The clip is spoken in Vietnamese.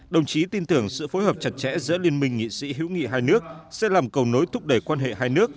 đồng chí tin tưởng sự phối hợp chặt chẽ giữa liên minh nghị sĩ hữu nghị hai nước sẽ làm cầu nối thúc đẩy quan hệ hai nước